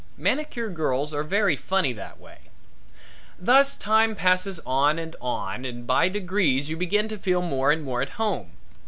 Manicure girls are very funny that way. Thus time passes on and on and by degrees you begin to feel more and more at home.